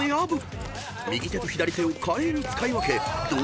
［右手と左手を華麗に使い分け堂々のトップ］